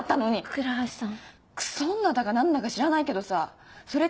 倉橋さん